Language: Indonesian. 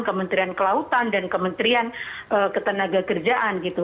kementerian kelautan dan kementerian ketenagakerjaan gitu